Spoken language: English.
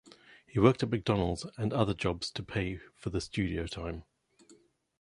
He worked at McDonald's and other jobs to pay for the studio time.